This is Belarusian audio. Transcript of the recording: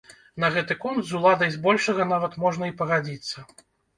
На гэты конт з уладай збольшага нават можна і пагадзіцца.